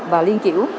và liên kiểu